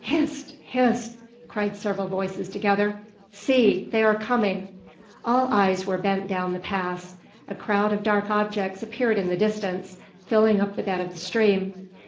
"Hist! hist!" cried several voices together. "See; they are coming!" All eyes were bent down the pass. A crowd of dark objects appeared in the distance, filling up the bed of the stream.